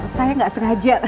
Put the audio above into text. saya gak sengaja